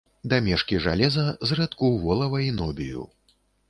Дамешкі жалеза, зрэдку волава і ніобію.